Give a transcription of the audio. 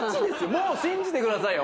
もう信じてくださいよ